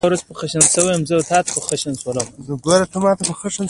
دا کټ مټ هماغه توپير دی چې بريالي کسان له ناکامو بېلوي.